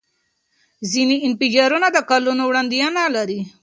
ځینې انفجارونه د کلونو وړاندوینه لري.